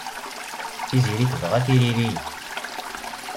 Tiziri tebɣa tiririyin.